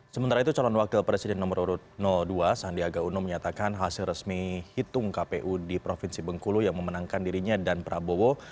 sementara itu calon wakil presiden nomor urut dua sandiaga uno menyatakan hasil resmi hitung kpu di provinsi bengkulu yang memenangkan dirinya dan prabowo